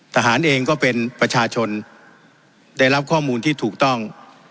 ทหารเองก็เป็นประชาชนได้รับข้อมูลที่ถูกต้อง